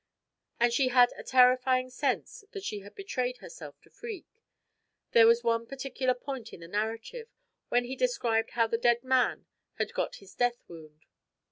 And she had a terrifying sense that she had betrayed herself to Freke. There was one particular point in the narrative, when he described how the dead man had got his death wound.